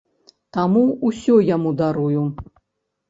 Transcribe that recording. Таму ўсё яму дарую.